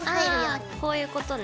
あこういうことね。